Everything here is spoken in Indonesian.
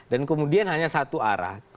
kemudian hanya satu arah